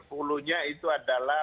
hulunya itu adalah